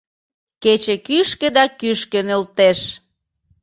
Кече кӱшкӧ да кӱшкӧ нӧлтеш.